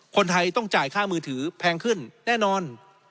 คนไทยต้องจ่ายค่ามือถือแพงขึ้นแน่นอน